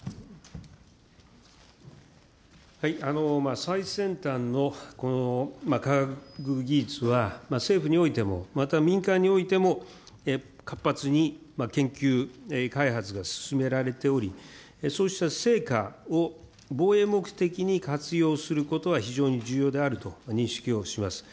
最先端の科学技術は、政府においても、また民間においても、活発に研究開発が進められており、そうした成果を防衛目的に活用することは非常に重要であると認識をします。